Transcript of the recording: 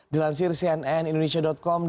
dilansir cnn indonesia com